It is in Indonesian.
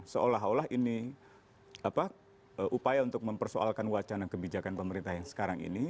seolah olah ini upaya untuk mempersoalkan wacana kebijakan pemerintah yang sekarang ini